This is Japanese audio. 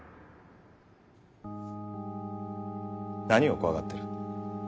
何を恐がってる？